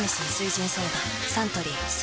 サントリー「翠」